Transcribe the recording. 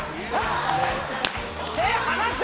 手を離せ！